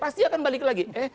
pasti akan balik lagi